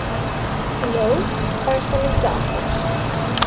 Below are some examples.